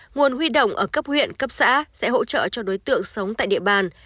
nguồn huy động ở cấp huyện cấp xã sẽ hỗ trợ cho đối tượng sống tại địa bàn